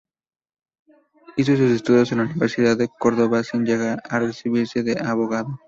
Hizo sus estudios en la Universidad de Córdoba sin llegar a recibirse de abogado.